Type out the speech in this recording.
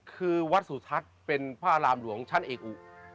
คือวัดสุทัศน์เป็นพระอารามหลวงชั้นเอกอุ